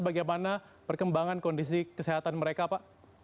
bagaimana perkembangan kondisi kesehatan mereka pak